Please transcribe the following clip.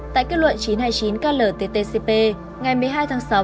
tại kết luận chín trăm hai mươi chín klttcp ngày một mươi hai tháng sáu năm hai nghìn hai mươi